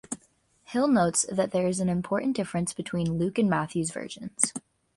Hill notes that there is an important difference between Luke and Matthew's versions.